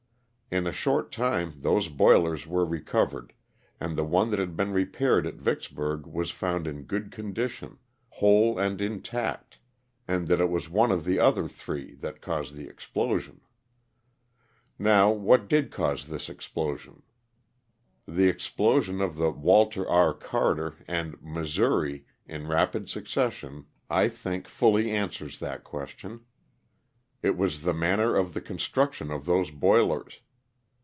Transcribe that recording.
In a short time those boilers were recovered and the one that had been repaired at Vicksburg was found in good condition, whole and intact, and that it was one of the other three that caused the explosion. Now what did cause this explo sion ? The explosion of the " Walker R. Carter" and " Missouri," in rapid succession, I think fully answers 26 LOSS OF THE SDLTAKA. that question. It was the manner of the construction of those boilers.